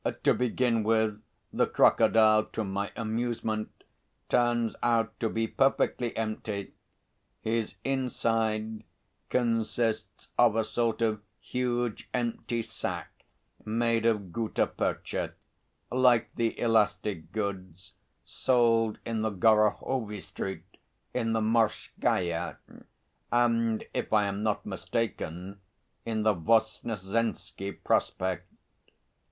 To begin with, the crocodile, to my amusement, turns out to be perfectly empty. His inside consists of a sort of huge empty sack made of gutta percha, like the elastic goods sold in the Gorohovy Street, in the Morskaya, and, if I am not mistaken, in the Voznesensky Prospect.